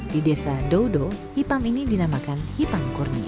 di desa dodo hipam ini dinamakan hipang kurnia